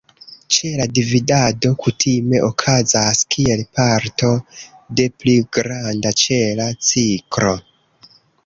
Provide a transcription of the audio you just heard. Ĉela dividado kutime okazas kiel parto de pli granda ĉela ciklo.